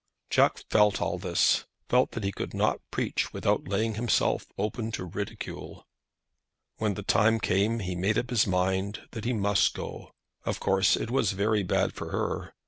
Jack felt all this, felt that he could not preach without laying himself open to ridicule. When the time came he made up his mind that he must go. Of course it was very bad for her.